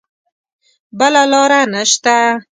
بله لاره نه شته.